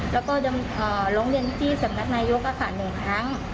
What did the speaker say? แล้วก็ร้องเรียนที่สำนักนายก๑ครั้ง